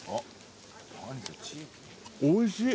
おいしい。